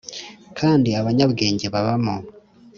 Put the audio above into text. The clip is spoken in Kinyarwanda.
kandi abanyabwenge babamo